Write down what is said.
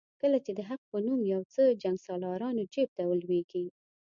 کله چې د حق په نوم یو څه جنګسالارانو جیب ته ولوېږي.